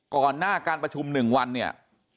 ก่อนหน้าการประชุม๑วันเนี่ย